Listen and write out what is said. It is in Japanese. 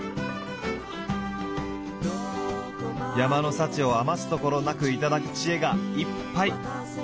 山の幸を余すところなく頂く知恵がいっぱい！